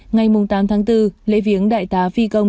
ngay mùng tám tháng bốn lễ viếng đại tá phi công